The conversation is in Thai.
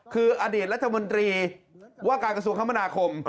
คืออดีตรัฐมนตรีว่าการกระทรวงคมนาคม